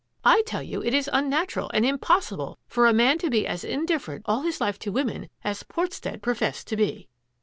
I tell you it is unnatural and impossible for a man to be as indifferent all his life to women as Portstead professed to be."